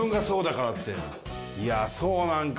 いやそうなんか。